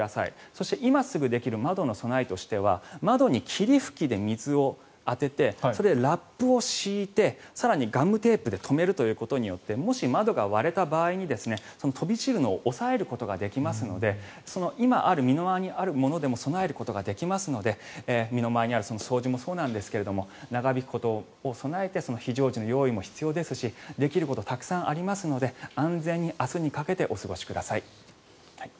そして今すぐできる窓の備えとしては窓に霧吹きで水を当ててラップを敷いて更にガムテープで止めるということによってもし窓が割れた場合に飛び散るのを抑えることができますので今あるものでも備えることができますので身の回りにある掃除もそうなんですけど長引くことに備えて非常時の用意も必要ですしできることたくさんありますので安全に明日にかけてお過ごしください。